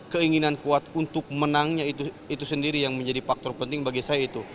keinginan kuat untuk menangnya itu sendiri yang menjadi faktor penting bagi saya itu